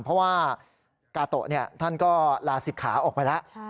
เพราะว่ากาโตะท่านก็ลาศิกขาออกไปแล้ว